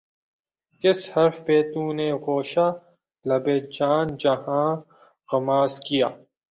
کس حرف پہ تو نے گوشۂ لب اے جان جہاں غماز کیا